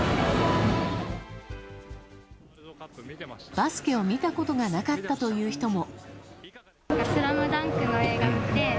バスケを見たことがなかったという人も。